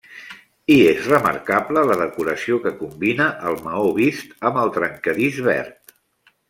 Hi és remarcable la decoració, que combina el maó vist amb el trencadís verd.